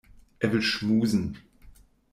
Er will schmusen.